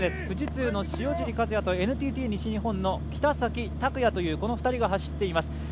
富士通の塩尻和也とＮＴＴ西日本の北崎拓矢の２人が走っています。